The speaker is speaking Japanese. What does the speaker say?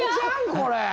これ。